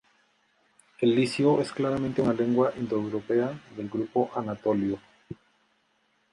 El licio es claramente una lengua indoeuropea del grupo anatolio.